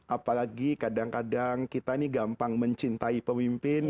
apalagi kadang kadang kita ini gampang mencintai pemimpin